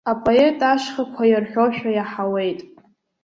Апоет ашьхақәа иарҳәошәа иаҳауеит.